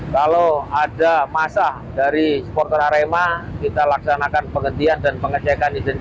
kalau ada masa dari supporter arema kita laksanakan penghentian dan pengecekan izin